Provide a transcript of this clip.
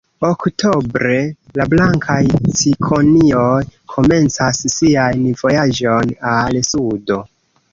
Oktobre la blankaj cikonioj komencas sian vojaĝon al sudo.